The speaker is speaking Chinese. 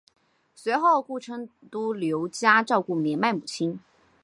随后顾琛都留家照顾年迈母亲。